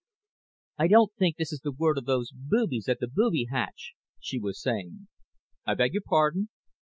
"I don't think this is the work of those boobies at the booby hatch," she was saying. "I beg your pardon?"